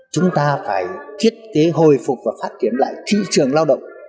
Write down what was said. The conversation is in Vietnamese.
chúng ta phải thiết kế hồi phục và phát triển lại thị trường lao động